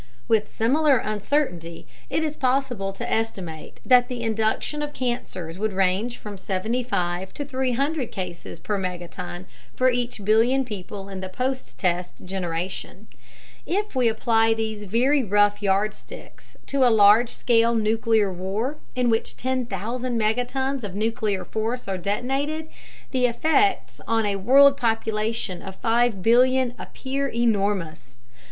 With similar uncertainty, it is possible to estimate that the induction of cancers would range from 75 to 300 cases per megaton for each billion people in the post test generation. If we apply these very rough yardsticks to a large scale nuclear war in which 10,000 megatons of nuclear force are detonated, the effects on a world population of 5 billion appear enormous.